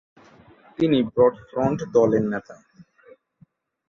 তিনি broad front দলের নেতা।